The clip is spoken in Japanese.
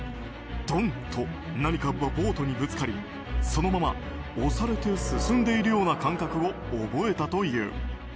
ドンッと何かがボートにぶつかりそのまま押されて進んでいるような感覚を覚えたという。